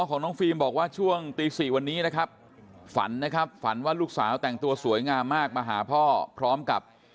ของน้องฟิล์มบอกว่าช่วงตี๔วันนี้นะครับฝันนะครับฝันว่าลูกสาวแต่งตัวสวยงามมากมาหาพ่อพร้อมกับ